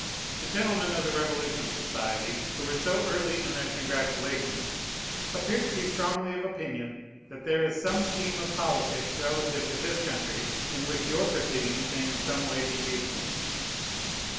The gentlemen of the Revolution Society, who were so early in their congratulations, appear to be strongly of opinion that there is some scheme of politics relative to this country, in which your proceedings may in some way be useful.